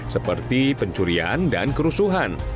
seperti pencurian dan kerusuhan